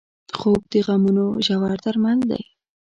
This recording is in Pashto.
خوب د غمونو ژور درمل دی